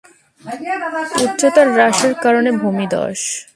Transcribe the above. উচ্চতার হ্রাসের কারণ ভূমিধ্স।